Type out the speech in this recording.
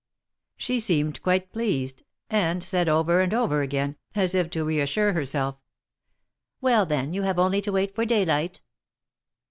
She seemed quite pleased, and said over and over again, as if to reassure herself : "Well, then, you have only to wait for daylight!"